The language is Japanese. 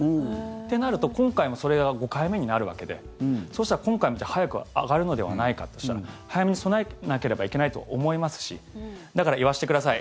となると、今回もそれが５回目になるわけでそうしたら今回も早く上がるのではないかとしたら早めに備えなければいけないと思いますしだから、言わせてください。